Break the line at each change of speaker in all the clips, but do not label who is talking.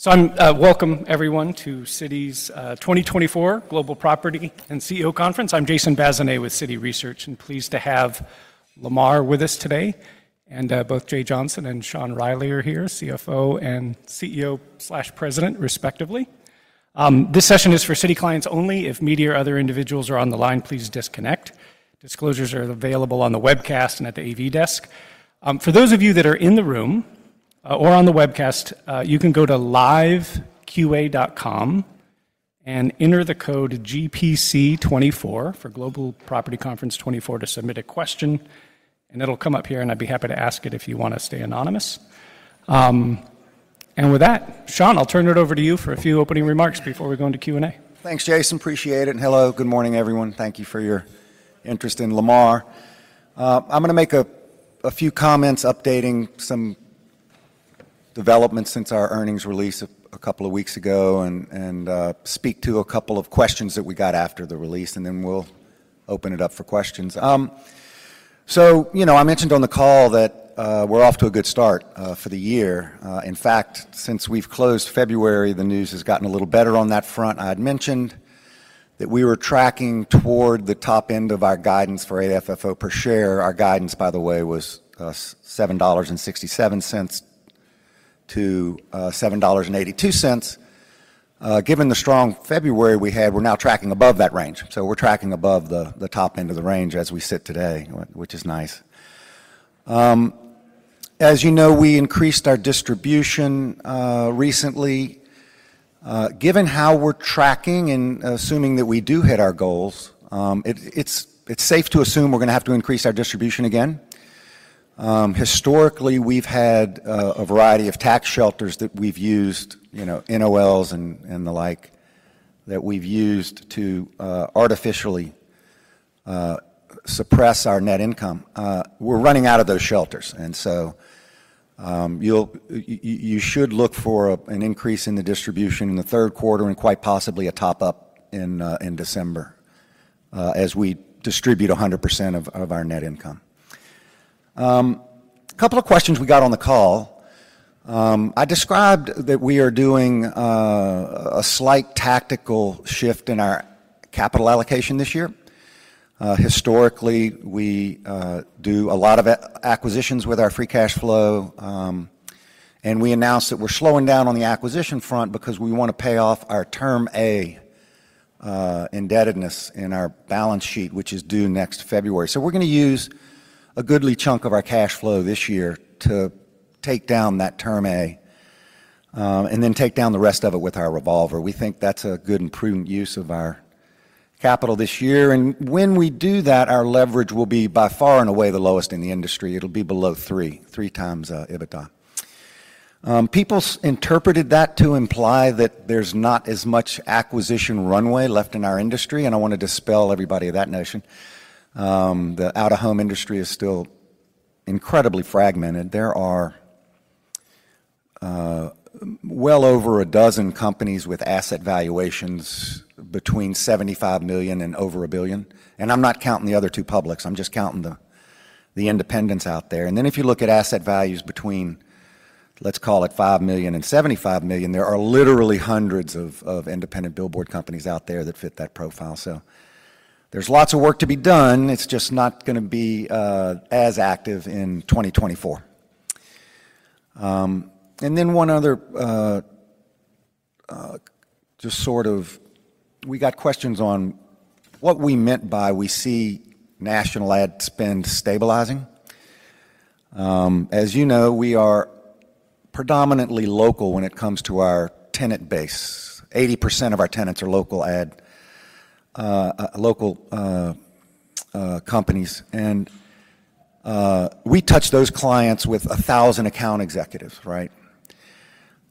So, welcome, everyone, to Citi's 2024 Global Property CEO conference. I'm Jason Bazinet with Citi Research, and pleased to have Lamar with us today. And both Jay Johnson and Sean Reilly are here, CFO and CEO/President, respectively. This session is for Citi clients only. If media or other individuals are on the line, please disconnect. Disclosures are available on the webcast and at the AV desk. For those of you that are in the room or on the webcast, you can go to liveqna.com and enter the code GPC24 for Global Property CEO Conference 2024 to submit a question, and it'll come up here, and I'd be happy to ask it if you want to stay anonymous. And with that, Sean, I'll turn it over to you for a few opening remarks before we go into Q&A.
Thanks, Jason. Appreciate it. And hello. Good morning, everyone. Thank you for your interest in Lamar. I'm going to make a few comments updating some developments since our earnings release a couple of weeks ago and speak to a couple of questions that we got after the release, and then we'll open it up for questions. So I mentioned on the call that we're off to a good start for the year. In fact, since we've closed February, the news has gotten a little better on that front. I had mentioned that we were tracking toward the top end of our guidance for AFFO per share. Our guidance, by the way, was $7.67-$7.82. Given the strong February we had, we're now tracking above that range. So we're tracking above the top end of the range as we sit today, which is nice. As you know, we increased our distribution recently. Given how we're tracking and assuming that we do hit our goals, it's safe to assume we're going to have to increase our distribution again. Historically, we've had a variety of tax shelters that we've used, NOLs and the like, that we've used to artificially suppress our net income. We're running out of those shelters, and so you should look for an increase in the distribution in the third quarter and quite possibly a top-up in December as we distribute 100% of our net income. A couple of questions we got on the call. I described that we are doing a slight tactical shift in our capital allocation this year. Historically, we do a lot of acquisitions with our free cash flow, and we announced that we're slowing down on the acquisition front because we want to pay off our Term A indebtedness in our balance sheet, which is due next February. So we're going to use a goodly chunk of our cash flow this year to take down that Term A and then take down the rest of it with our revolver. We think that's a good and prudent use of our capital this year. And when we do that, our leverage will be, by far, in a way, the lowest in the industry. It'll be below 3x EBITDA. People interpreted that to imply that there's not as much acquisition runway left in our industry, and I want to dispel everybody of that notion. The out-of-home industry is still incredibly fragmented. There are well over a dozen companies with asset valuations between $75 million and over $1 billion. I'm not counting the other two publics. I'm just counting the independents out there. Then if you look at asset values between, let's call it, $5 million and $75 million, there are literally hundreds of independent billboard companies out there that fit that profile. So there's lots of work to be done. It's just not going to be as active in 2024. Then one other, just sort of, we got questions on what we meant by we see national ad spend stabilizing. As you know, we are predominantly local when it comes to our tenant base. 80% of our tenants are local ad companies, and we touch those clients with 1,000 account executives, right?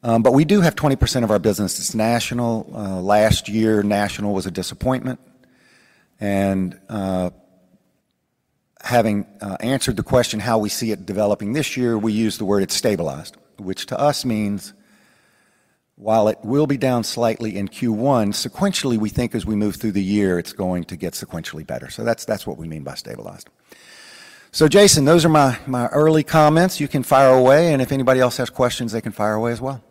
But we do have 20% of our business that's national. Last year, national was a disappointment. Having answered the question how we see it developing this year, we used the word it's stabilized, which to us means while it will be down slightly in Q1, sequentially, we think as we move through the year, it's going to get sequentially better. That's what we mean by stabilized. Jason, those are my early comments. You can fire away, and if anybody else has questions, they can fire away as well.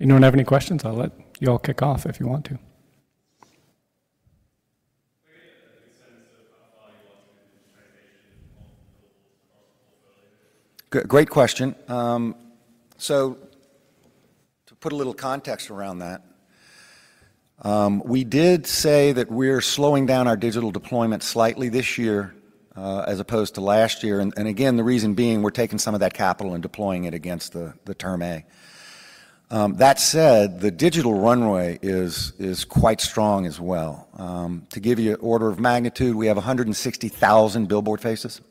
Anyone have any questions? I'll let y'all kick off if you want to.
Very good. That gives a sense of how far you want to move digitalization across the portfolio?
Great question. So to put a little context around that, we did say that we're slowing down our digital deployment slightly this year as opposed to last year. And again, the reason being we're taking some of that capital and deploying it against the Term A. That said, the digital runway is quite strong as well. To give you an order of magnitude, we have 160,000 billboard faces,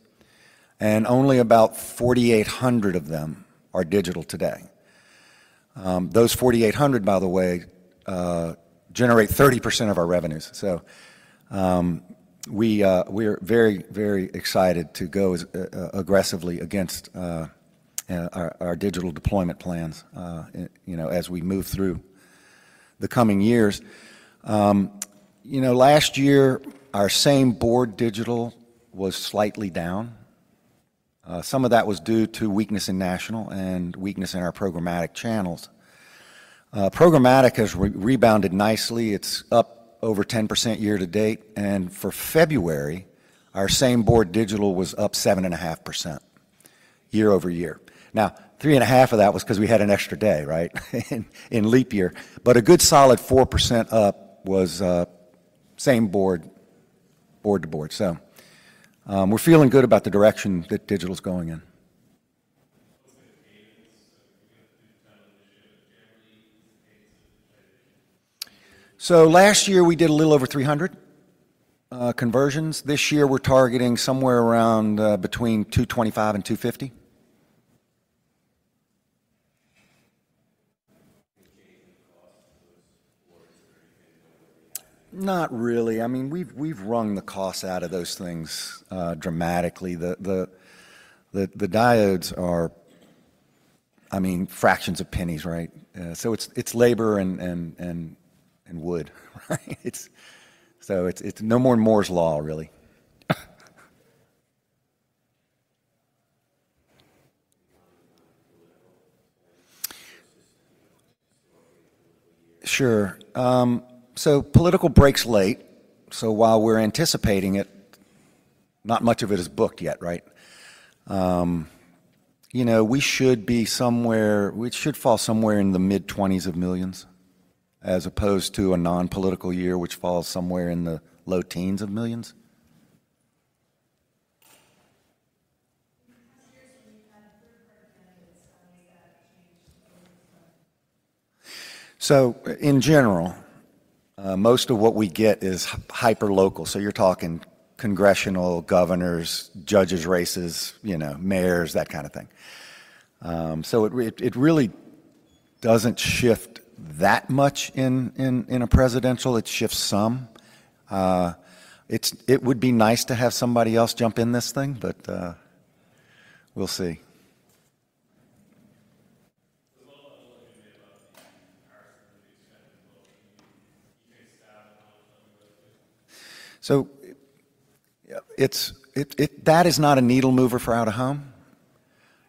and only about 4,800 of them are digital today. Those 4,800, by the way, generate 30% of our revenues. So we are very, very excited to go aggressively against our digital deployment plans as we move through the coming years. Last year, our same board digital was slightly down. Some of that was due to weakness in national and weakness in our programmatic channels. Programmatic has rebounded nicely. It's up over 10% year-to-date. For February, our same board digital was up 7.5% year-over-year. Now, 3.5% of that was because we had an extra day, right, in leap year. But a good solid 4% up was same board to board. So we're feeling good about the direction that digital is going in.
What's been the cadence? So if you've got a huge digital initiative, generally, what's the cadence of digitalization?
Last year, we did a little over 300 conversions. This year, we're targeting somewhere around between 225 and 250.
Any cadence in costs for those boards or anything? No one really has any?
Not really. I mean, we've wrung the costs out of those things dramatically. The diodes are, I mean, fractions of pennies, right? So it's labor and wood, right? So it's no more Moore's Law, really.
Any time to political?
Sure. So political breaks late. So while we're anticipating it, not much of it is booked yet, right? We should be somewhere it should fall somewhere in the mid-$20s million as opposed to a non-political year, which falls somewhere in the low-$10s million.
In past years, when you've had third-party candidates, how has that changed the business model?
So in general, most of what we get is hyper-local. So you're talking congressional, governors, judges' races, mayors, that kind of thing. So it really doesn't shift that much in a presidential. It shifts some. It would be nice to have somebody else jump in this thing, but we'll see.
What's the level of policy you made about the comparison of the expense and the policy? Do you take staff and knowledge from you guys too?
So that is not a needle mover for out-of-home.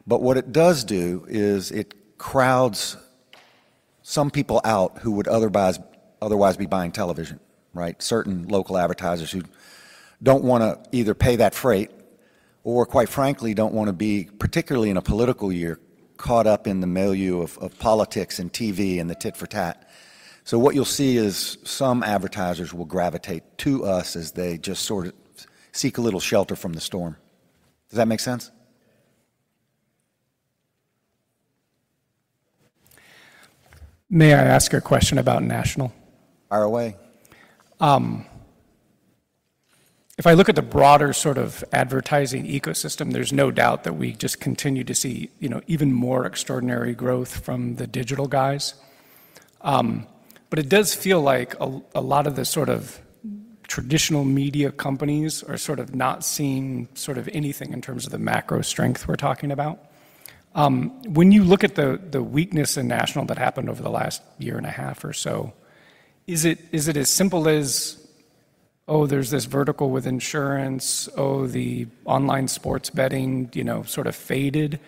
But what it does do is it crowds some people out who would otherwise be buying television, right, certain local advertisers who don't want to either pay that freight or, quite frankly, don't want to be, particularly in a political year, caught up in the milieu of politics and TV and the tit for tat. So what you'll see is some advertisers will gravitate to us as they just sort of seek a little shelter from the storm. Does that make sense?
Yes.
May I ask a question about national?
Fire away.
If I look at the broader sort of advertising ecosystem, there's no doubt that we just continue to see even more extraordinary growth from the digital guys. But it does feel like a lot of the sort of traditional media companies are sort of not seeing sort of anything in terms of the macro strength we're talking about. When you look at the weakness in national that happened over the last year and a half or so, is it as simple as, "Oh, there's this vertical with insurance. Oh, the online sports betting sort of faded"?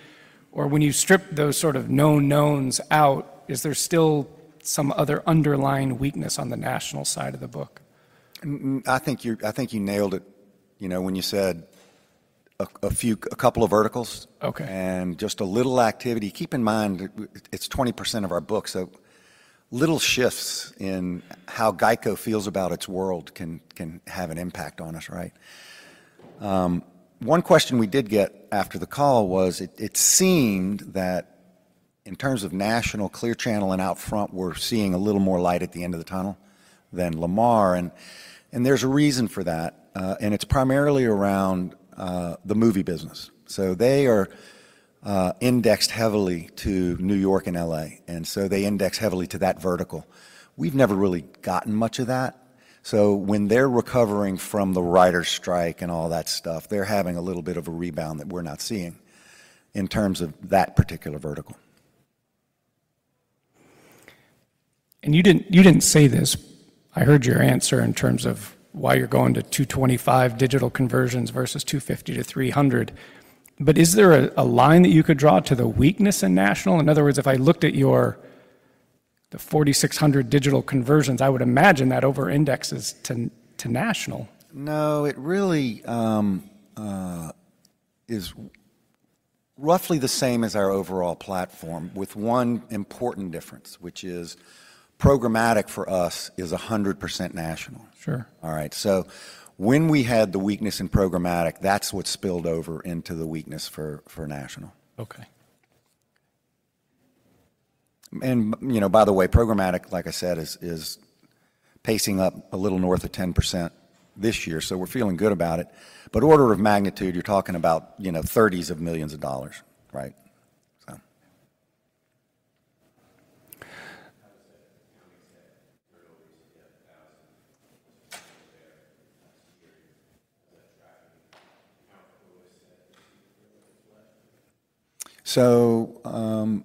Or when you strip those sort of known-knowns out, is there still some other underlying weakness on the national side of the book?
I think you nailed it when you said a couple of verticals and just a little activity. Keep in mind, it's 20% of our book. So little shifts in how GEICO feels about its world can have an impact on us, right? One question we did get after the call was it seemed that in terms of national, Clear Channel, and OUTFRONT, we're seeing a little more light at the end of the tunnel than Lamar. And there's a reason for that, and it's primarily around the movie business. So they are indexed heavily to New York and L.A., and so they index heavily to that vertical. We've never really gotten much of that. So when they're recovering from the writers' strike and all that stuff, they're having a little bit of a rebound that we're not seeing in terms of that particular vertical.
You didn't say this. I heard your answer in terms of why you're going to 225 digital conversions versus 250-300. But is there a line that you could draw to the weakness in national? In other words, if I looked at the 4,600 digital conversions, I would imagine that over-indexes to national.
No, it really is roughly the same as our overall platform with one important difference, which is programmatic for us is 100% national. All right? So when we had the weakness in programmatic, that's what spilled over into the weakness for national. And by the way, programmatic, like I said, is pacing up a little north of 10% this year, so we're feeling good about it. But order of magnitude, you're talking about $30 million, right?
How does that economic set? You're able to get 1,000 people there in the past year. Does that track with how close that receivable revenue is left?
So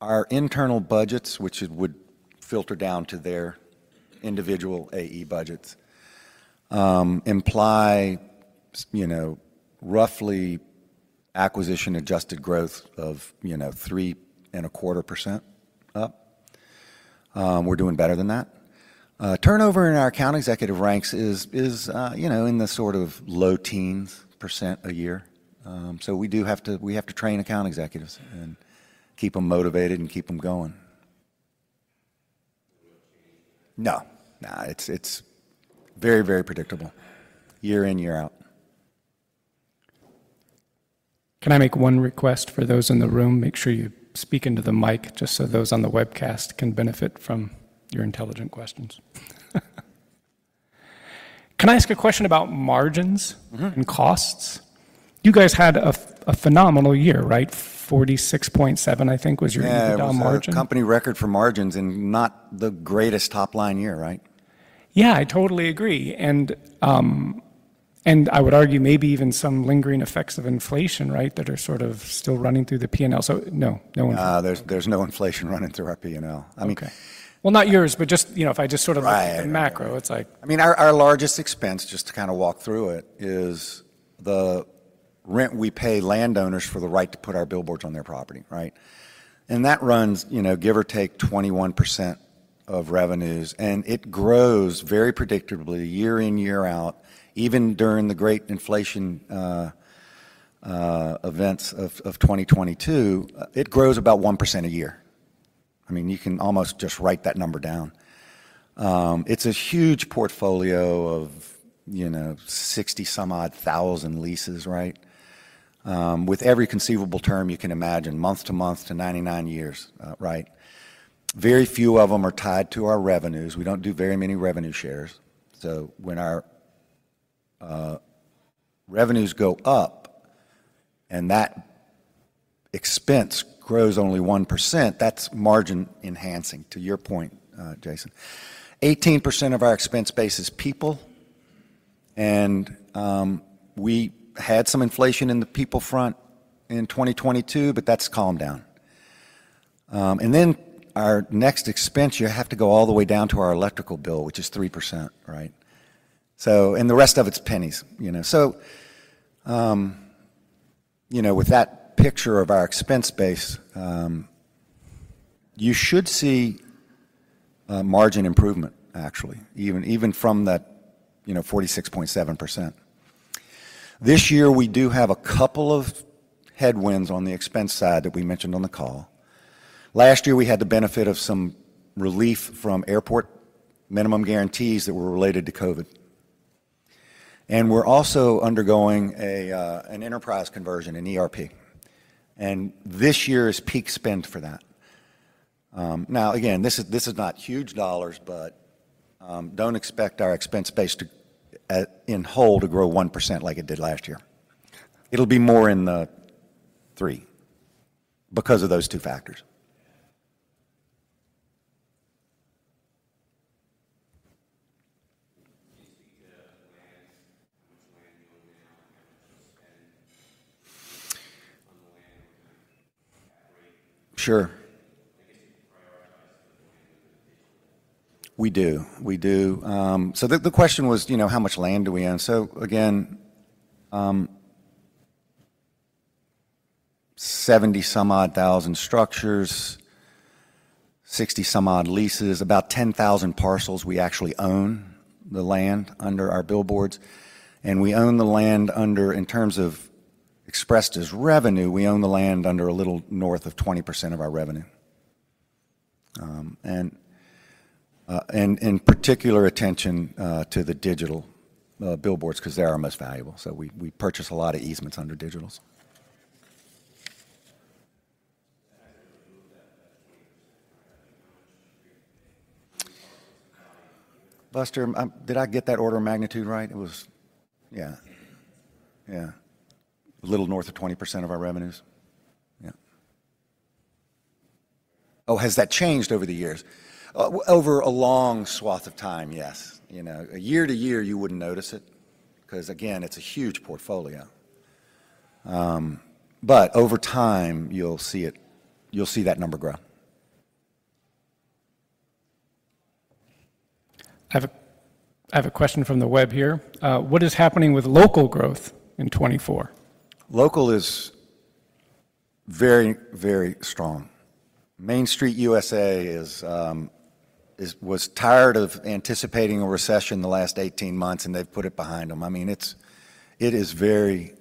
our internal budgets, which would filter down to their individual AE budgets, imply roughly acquisition-adjusted growth of 3.25% up. We're doing better than that. Turnover in our account executive ranks is in the sort of low-teens % a year. So we have to train account executives and keep them motivated and keep them going.
A real change tonight?
No. No, it's very, very predictable year in, year out.
Can I make one request for those in the room? Make sure you speak into the mic just so those on the webcast can benefit from your intelligent questions. Can I ask a question about margins and costs? You guys had a phenomenal year, right? 46.7%, I think, was your EBITDA margin.
Yeah, it was our company record for margins and not the greatest top-line year, right?
Yeah, I totally agree. And I would argue maybe even some lingering effects of inflation, right, that are sort of still running through the P&L. So no, no one.
There's no inflation running through our P&L. I mean.
Okay. Well, not yours, but just if I just sort of look at the macro, it's like.
Right. I mean, our largest expense, just to kind of walk through it, is the rent we pay landowners for the right to put our billboards on their property, right? And that runs, give or take, 21% of revenues. And it grows very predictably year in, year out. Even during the great inflation events of 2022, it grows about 1% a year. I mean, you can almost just write that number down. It's a huge portfolio of 60-some-odd thousand leases, right, with every conceivable term you can imagine, month to month to 99 years, right? Very few of them are tied to our revenues. We don't do very many revenue shares. So when our revenues go up and that expense grows only 1%, that's margin-enhancing, to your point, Jason. 18% of our expense base is people. We had some inflation in the people front in 2022, but that's calmed down. Then our next expense, you have to go all the way down to our electrical bill, which is 3%, right? And the rest of it's pennies. So with that picture of our expense base, you should see margin improvement, actually, even from that 46.7%. This year, we do have a couple of headwinds on the expense side that we mentioned on the call. Last year, we had the benefit of some relief from airport minimum guarantees that were related to COVID. And we're also undergoing an enterprise conversion, an ERP. And this year is peak spend for that. Now, again, this is not huge dollars, but don't expect our expense base in whole to grow 1% like it did last year. It'll be more in the 3% because of those two factors.
Do you see how much land you own now and how much you spend on the land and what kind of operating?
Sure.
I guess you prioritize the land within the digital end.
We do. We do. So the question was, how much land do we own? So again, 70-some-odd thousand structures, 60-some-odd leases, about 10,000 parcels. We actually own the land under our billboards. And we own the land under, in terms of expressed as revenue, we own the land under a little north of 20% of our revenue and in particular attention to the digital billboards because they're our most valuable. So we purchase a lot of easements under digitals.
How does it really move that 20%, right? I think no one should agree with the data.
Buster, did I get that order of magnitude right? Yeah. Yeah. A little north of 20% of our revenues. Yeah. Oh, has that changed over the years? Over a long swath of time, yes. Year to year, you wouldn't notice it because, again, it's a huge portfolio. But over time, you'll see that number grow.
I have a question from the web here. What is happening with local growth in 2024?
Local is very, very strong. Main Street USA was tired of anticipating a recession the last 18 months, and they've put it behind them. I mean, it is very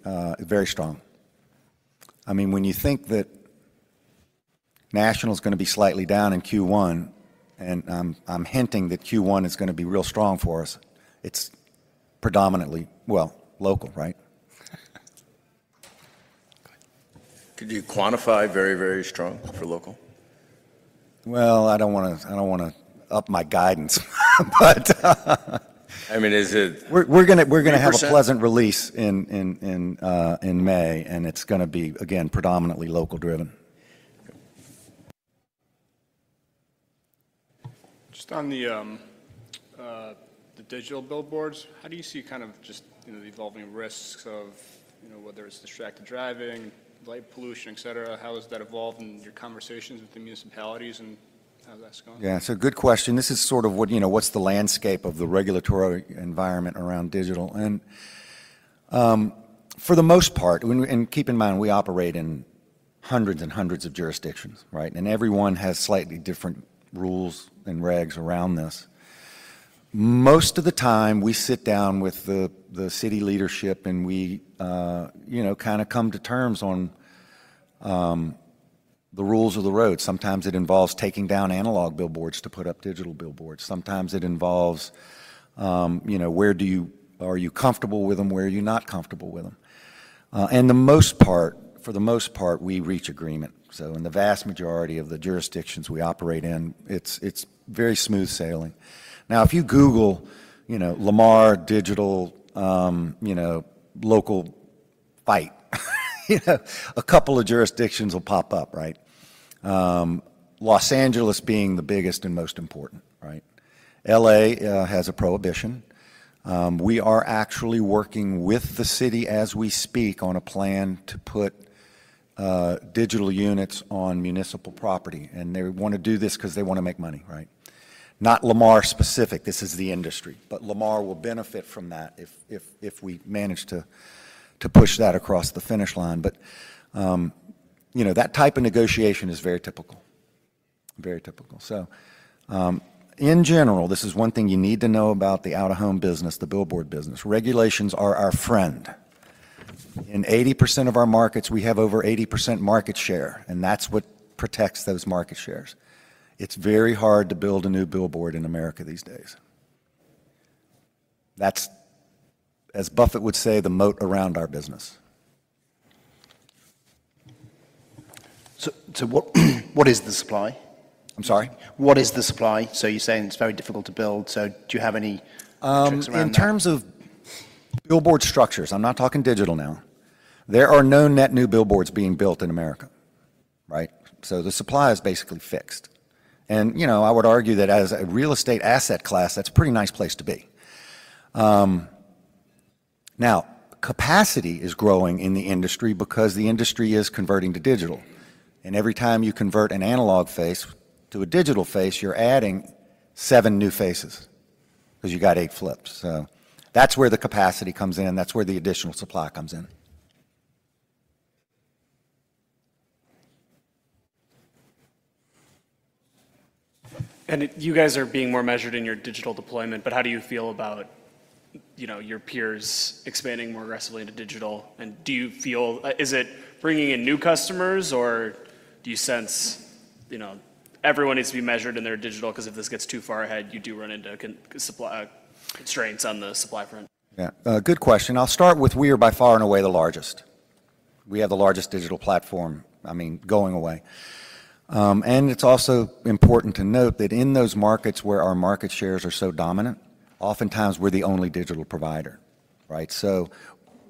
strong. I mean, when you think that national is going to be slightly down in Q1, and I'm hinting that Q1 is going to be real strong for us, it's predominantly, well, local, right?
Could you quantify very, very strong for local?
Well, I don't want to up my guidance, but.
I mean, is it?
We're going to have a pleasant release in May, and it's going to be, again, predominantly local-driven.
Just on the digital billboards, how do you see kind of just the evolving risks of whether it's distracted driving, light pollution, etc.? How has that evolved in your conversations with the municipalities, and how's that gone?
Yeah, so good question. This is sort of what's the landscape of the regulatory environment around digital. And for the most part, and keep in mind, we operate in hundreds and hundreds of jurisdictions, right, and everyone has slightly different rules and regs around this. Most of the time, we sit down with the city leadership, and we kind of come to terms on the rules of the road. Sometimes it involves taking down analog billboards to put up digital billboards. Sometimes it involves, where are you comfortable with them, where are you not comfortable with them. And for the most part, we reach agreement. So in the vast majority of the jurisdictions we operate in, it's very smooth sailing. Now, if you Google Lamar Digital Local Fight, a couple of jurisdictions will pop up, right, Los Angeles being the biggest and most important, right? L.A. has a prohibition. We are actually working with the city as we speak on a plan to put digital units on municipal property. They want to do this because they want to make money, right? Not Lamar-specific. This is the industry. Lamar will benefit from that if we manage to push that across the finish line. That type of negotiation is very typical, very typical. In general, this is one thing you need to know about the out-of-home business, the billboard business. Regulations are our friend. In 80% of our markets, we have over 80% market share, and that's what protects those market shares. It's very hard to build a new billboard in America these days. That's, as Buffett would say, the moat around our business.
What is the supply?
I'm sorry?
What is the supply? So you're saying it's very difficult to build. So do you have any tricks around that?
In terms of billboard structures, I'm not talking digital now. There are no net new billboards being built in America, right? So the supply is basically fixed. And I would argue that as a real estate asset class, that's a pretty nice place to be. Now, capacity is growing in the industry because the industry is converting to digital. And every time you convert an analog face to a digital face, you're adding seven new faces because you got eight flips. So that's where the capacity comes in. That's where the additional supply comes in.
You guys are being more measured in your digital deployment, but how do you feel about your peers expanding more aggressively into digital? Is it bringing in new customers, or do you sense everyone needs to be measured in their digital because if this gets too far ahead, you do run into constraints on the supply front?
Yeah, good question. I'll start with we are by far and away the largest. We have the largest digital platform, I mean, going away. And it's also important to note that in those markets where our market shares are so dominant, oftentimes, we're the only digital provider, right? So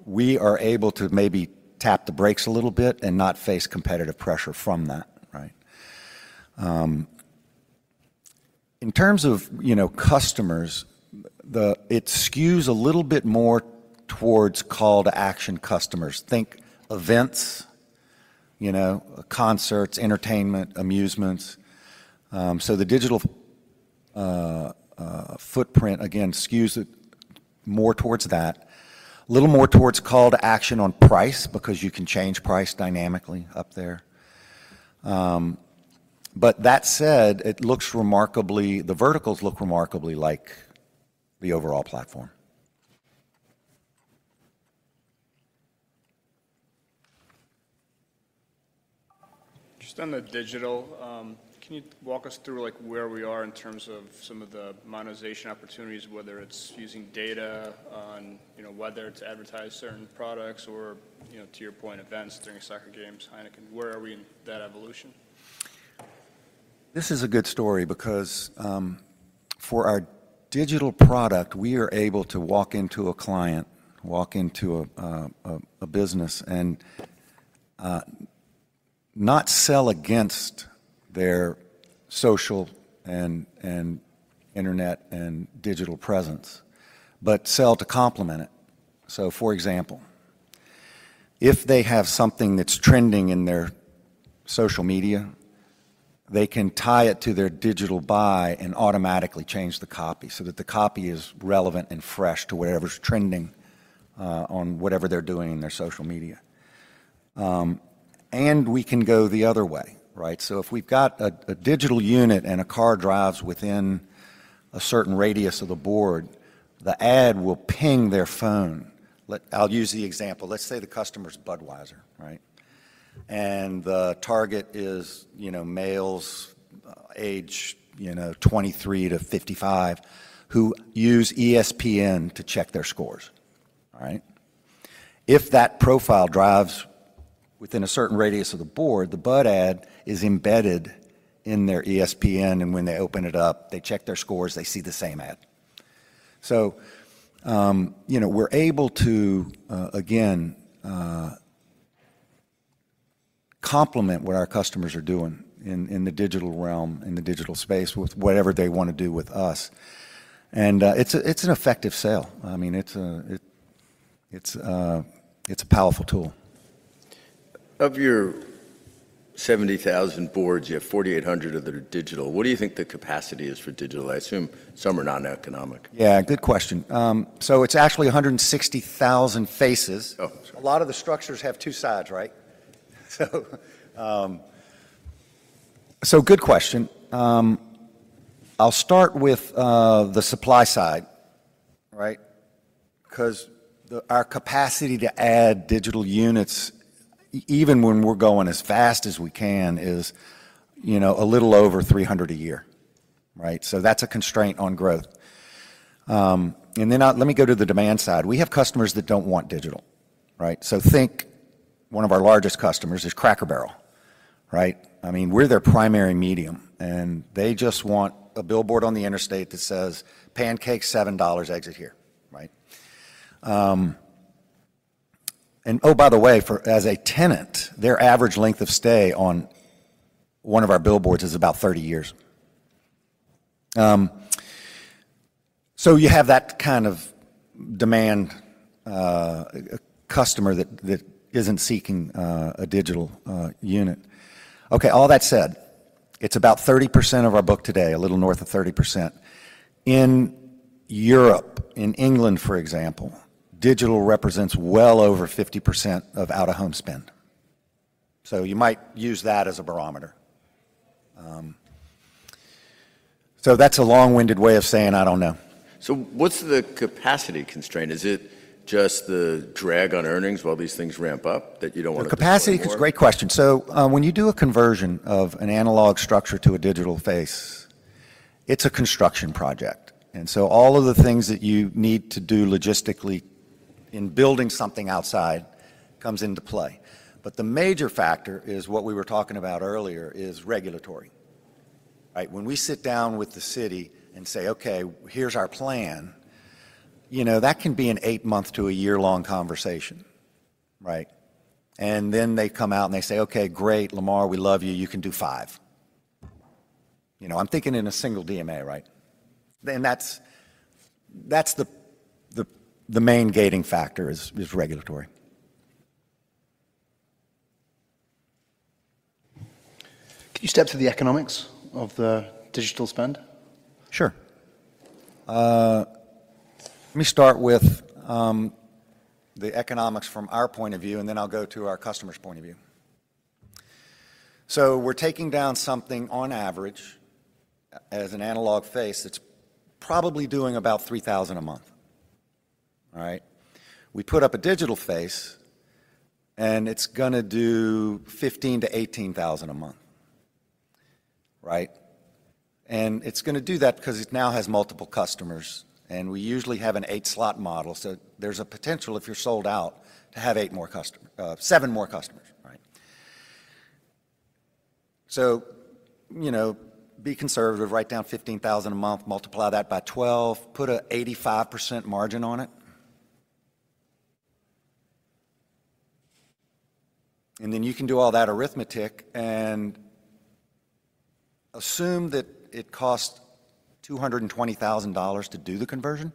we are able to maybe tap the brakes a little bit and not face competitive pressure from that, right? In terms of customers, it skews a little bit more towards call-to-action customers. Think events, concerts, entertainment, amusements. So the digital footprint, again, skews more towards that, a little more towards call-to-action on price because you can change price dynamically up there. But that said, the verticals look remarkably like the overall platform.
Just on the digital, can you walk us through where we are in terms of some of the monetization opportunities, whether it's using data on whether it's advertising certain products or, to your point, events during soccer games, Heineken? Where are we in that evolution?
This is a good story because for our digital product, we are able to walk into a client, walk into a business, and not sell against their social and internet and digital presence but sell to complement it. So for example, if they have something that's trending in their social media, they can tie it to their digital buy and automatically change the copy so that the copy is relevant and fresh to whatever's trending on whatever they're doing in their social media. And we can go the other way, right? So if we've got a digital unit and a car drives within a certain radius of the board, the ad will ping their phone. I'll use the example. Let's say the customer's Budweiser, right? And the target is males age 23-55 who use ESPN to check their scores, right? If that profile drives within a certain radius of the billboard, the Bud ad is embedded in their ESPN, and when they open it up, they check their scores. They see the same ad. So we're able to, again, complement what our customers are doing in the digital realm, in the digital space, with whatever they want to do with us. And it's an effective sale. I mean, it's a powerful tool.
Of your 70,000 boards, you have 4,800 of them digital. What do you think the capacity is for digital? I assume some are non-economic.
Yeah, good question. So it's actually 160,000 faces.
Oh, sorry.
A lot of the structures have two sides, right? So good question. I'll start with the supply side, right, because our capacity to add digital units, even when we're going as fast as we can, is a little over 300 a year, right? So that's a constraint on growth. And then let me go to the demand side. We have customers that don't want digital, right? So think one of our largest customers is Cracker Barrel, right? I mean, we're their primary medium, and they just want a billboard on the interstate that says, "Pancakes, $7. Exit here," right? And oh, by the way, as a tenant, their average length of stay on one of our billboards is about 30 years. So you have that kind of demand customer that isn't seeking a digital unit. Okay, all that said, it's about 30% of our book today, a little north of 30%. In Europe, in England, for example, digital represents well over 50% of out-of-home spend. So you might use that as a barometer. So that's a long-winded way of saying, "I don't know.
So what's the capacity constraint? Is it just the drag on earnings while these things ramp up that you don't want to?
The capacity is a great question. So when you do a conversion of an analog structure to a digital face, it's a construction project. And so all of the things that you need to do logistically in building something outside comes into play. But the major factor is what we were talking about earlier is regulatory, right? When we sit down with the city and say, "Okay, here's our plan," that can be an eight-month to a year-long conversation, right? And then they come out and they say, "Okay, great, Lamar, we love you. You can do five." I'm thinking in a single DMA, right? And that's the main gating factor is regulatory.
Can you step to the economics of the digital spend?
Sure. Let me start with the economics from our point of view, and then I'll go to our customer's point of view. So we're taking down something, on average, as an analog face that's probably doing about $3,000 a month, right? We put up a digital face, and it's going to do $15,000-$18,000 a month, right? And it's going to do that because it now has multiple customers. And we usually have an eight-slot model. So there's a potential, if you're sold out, to have seven more customers, right? So be conservative. Write down $15,000 a month, multiply that by 12, put an 85% margin on it. And then you can do all that arithmetic and assume that it costs $220,000 to do the conversion.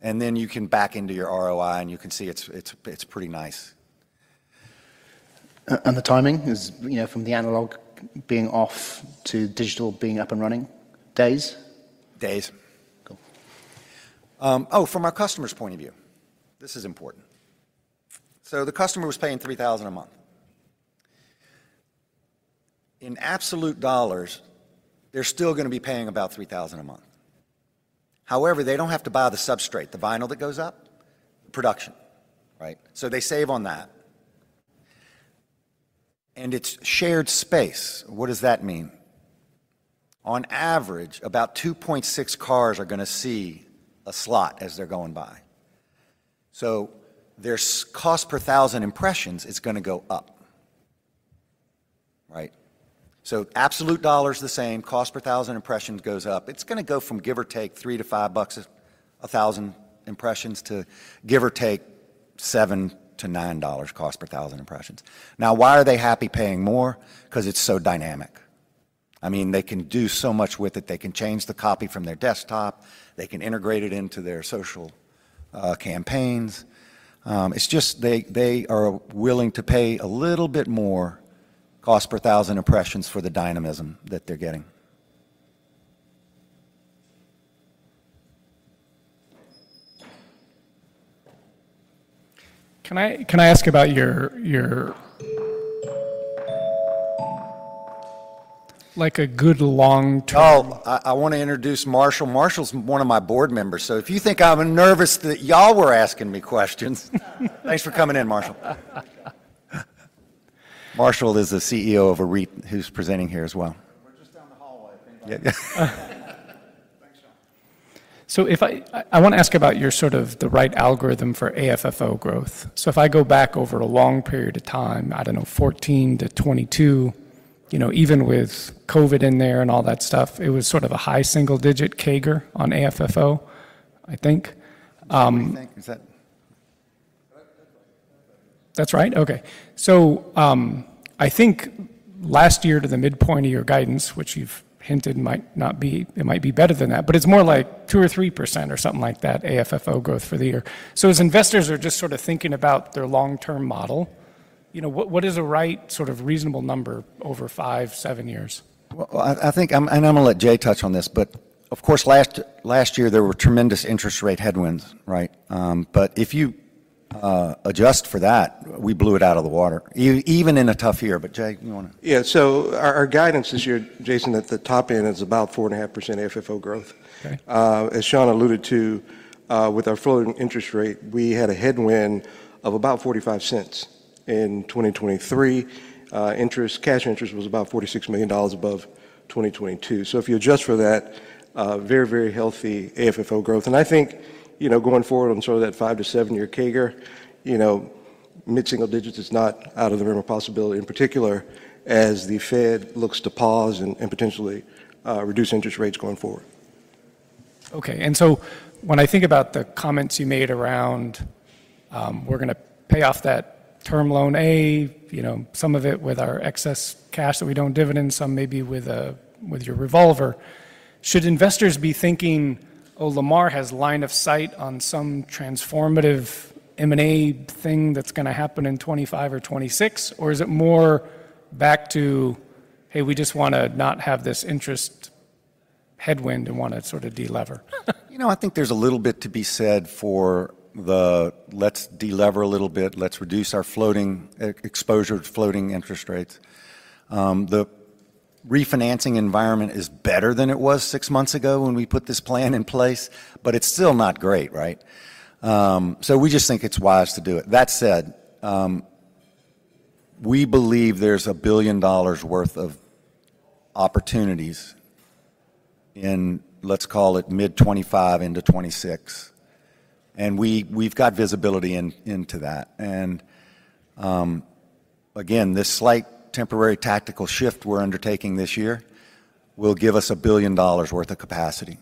And then you can back into your ROI, and you can see it's pretty nice.
The timing is from the analog being off to digital being up and running days?
Days.
Cool.
Oh, from our customer's point of view, this is important. So the customer was paying $3,000 a month. In absolute dollars, they're still going to be paying about $3,000 a month. However, they don't have to buy the substrate, the vinyl that goes up, the production, right? So they save on that. And it's shared space. What does that mean? On average, about 2.6 cars are going to see a slot as they're going by. So their cost per 1,000 impressions is going to go up, right? So absolute dollars the same. Cost per 1,000 impressions goes up. It's going to go from, give or take, $3-$5 per 1,000 impressions to, give or take, $7-$9 cost per 1,000 impressions. Now, why are they happy paying more? Because it's so dynamic. I mean, they can do so much with it. They can change the copy from their desktop. They can integrate it into their social campaigns. It's just they are willing to pay a little bit more cost per thousand impressions for the dynamism that they're getting.
Can I ask about a good long-term?
Oh, I want to introduce Marshall. Marshall's one of my board members. So if you think I'm nervous that y'all were asking me questions, thanks for coming in, Marshall. Marshall is the CEO of a REIT who's presenting here as well.
We're just down the hallway. Thanks, Sean.
So I want to ask about sort of the right algorithm for AFFO growth. So if I go back over a long period of time, I don't know, 2014 to 2022, even with COVID in there and all that stuff, it was sort of a high single-digit CAGR on AFFO, I think. That's right. Okay. So I think last year to the midpoint of your guidance, which you've hinted might not be it might be better than that, but it's more like 2% or 3% or something like that AFFO growth for the year. So as investors are just sort of thinking about their long-term model, what is a right sort of reasonable number over five, seven years?
Well, I think, and I'm going to let Jay touch on this. But of course, last year, there were tremendous interest rate headwinds, right? But if you adjust for that, we blew it out of the water, even in a tough year. But Jay, you want to?
Yeah. So our guidance this year, Jason, at the top end is about 4.5% AFFO growth. As Sean alluded to, with our floating interest rate, we had a headwind of about $0.45 in 2023. Cash interest was about $46 million above 2022. So if you adjust for that, very, very healthy AFFO growth. And I think going forward on sort of that five to seven-year CAGR, mid-single digits is not out of the realm of possibility in particular as the Fed looks to pause and potentially reduce interest rates going forward.
Okay. And so when I think about the comments you made around we're going to pay off that Term Loan A, some of it with our excess cash that we don't dividend, some maybe with your revolver, should investors be thinking, "Oh, Lamar has line of sight on some transformative M&A thing that's going to happen in 2025 or 2026," or is it more back to, "Hey, we just want to not have this interest headwind and want to sort of de-lever"?
I think there's a little bit to be said for the, "Let's de-lever a little bit. Let's reduce our floating exposure to floating interest rates." The refinancing environment is better than it was six months ago when we put this plan in place, but it's still not great, right? So we just think it's wise to do it. That said, we believe there's $1 billion worth of opportunities in, let's call it, mid-2025 into 2026. And we've got visibility into that. And again, this slight temporary tactical shift we're undertaking this year will give us $1 billion worth of capacity.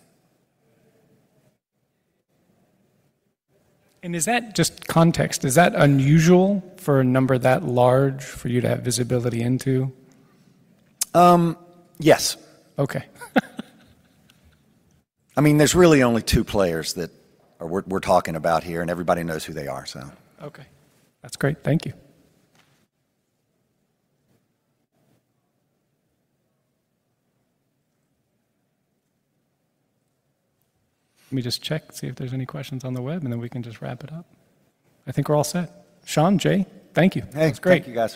Is that just context? Is that unusual for a number that large for you to have visibility into?
Yes. I mean, there's really only two players that we're talking about here, and everybody knows who they are, so.
Okay. That's great. Thank you.
Let me just check, see if there's any questions on the web, and then we can just wrap it up. I think we're all set. Sean, Jay, thank you.
Hey.
That's great.
Thank you, guys.